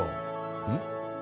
うん？